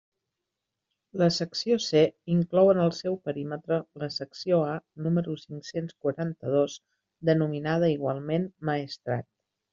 La Secció C inclou en el seu perímetre la Secció A número cinc-cents quaranta-dos, denominada igualment «Maestrat».